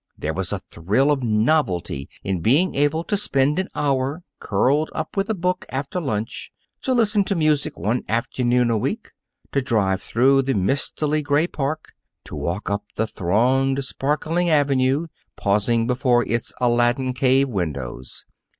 There was a thrill of novelty in being able to spend an hour curled up with a book after lunch, to listen to music one afternoon a week, to drive through the mistily gray park; to walk up the thronged, sparkling Avenue, pausing before its Aladdin's Cave windows.